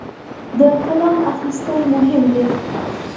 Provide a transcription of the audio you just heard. د قلم اخیستل مهم دي.